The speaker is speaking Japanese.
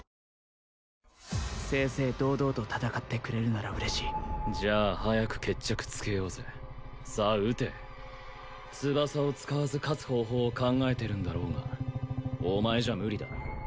正々堂々と戦ってくれるなら嬉しいじゃあ早く決着つけようぜさあ撃て翼を使わず勝つ方法を考えてるんだろうがお前じゃ無理だ